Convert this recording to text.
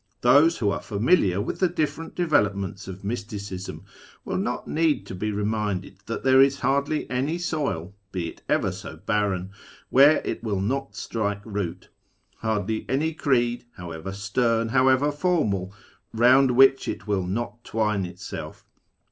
Those who are familiar with the different developments of Mysticism will not need to be reminded that there is hardly any soil, be it ever so barren, where it will not strike root ; hardly any creed, however stern, however formal, round which it will not twine itself.